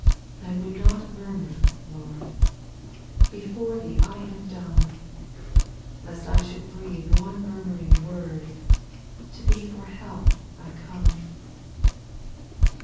i 2. ( I would not murmur, Lord, Before Thee I am dumb 1 — Lest I should breathe one murmuring word, To Thee for help I come.